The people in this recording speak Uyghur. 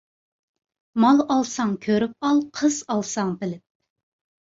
مال ئالساڭ كۆرۈپ ئال، قىز ئالساڭ بىلىپ.